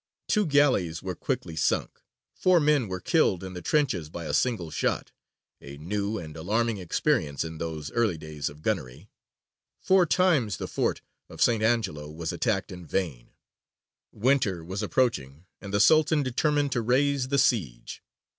Two galleys were quickly sunk, four men were killed in the trenches by a single shot a new and alarming experience in those early days of gunnery four times the Fort of St. Angelo was attacked in vain; winter was approaching, and the Sultan determined to raise the siege.